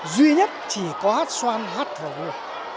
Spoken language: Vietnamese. duy nhất chỉ có hát xoan hát thở vua